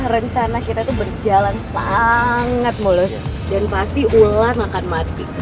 rencana kita itu berjalan sangat mulus dan pasti ulan akan mati